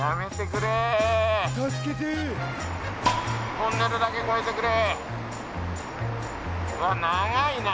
トンネルだけ越えてくれ。